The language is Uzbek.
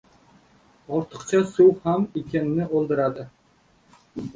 • Ortiqcha suv ham ekinni o‘ldiradi.